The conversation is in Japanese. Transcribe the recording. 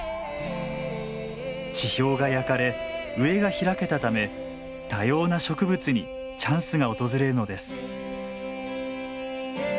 地表が焼かれ上が開けたため多様な植物にチャンスが訪れるのです。